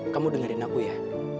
kamu dengerin aku ya